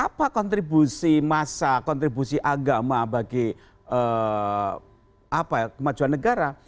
dan apa kontribusi masa kontribusi agama bagi kemajuan negara